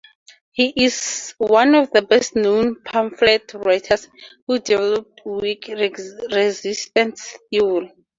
He is one of the best known pamphlet writers who developed Whig resistance theory.